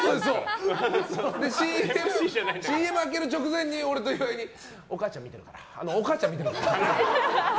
ＣＭ明ける直前に俺と岩井にお母ちゃん見てるからって。